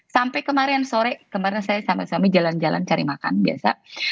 sampai kemarin sore kemarin saya sama suami jalan jalan cari makan biasa